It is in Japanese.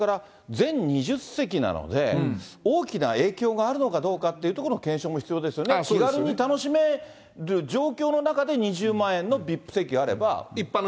それから全２０席なので、大きな影響があるのかどうかっていうところの検証も必要ですよね、気軽に楽しめる状況の中で２０万円のＶＩＰ席あれば。